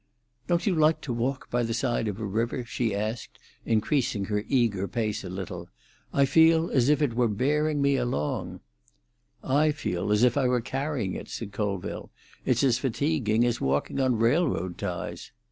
"Don't you like to walk by the side of a river?" she asked, increasing her eager pace a little. "I feel as if it were bearing me along." "I feel as if I were carrying it," said Colville. "It's as fatiguing as walking on railroad ties."